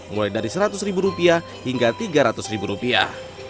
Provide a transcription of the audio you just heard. mulai dari seratus ribu rupiah hingga tiga ratus ribu rupiah